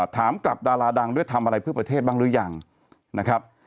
ถามกลับดาราดังด้วยทำอะไรเพื่อประเทศบ้างหรือยังนะครับ